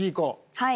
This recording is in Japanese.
はい。